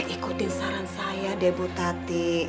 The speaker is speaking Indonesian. ikutin saran saya deh bu tati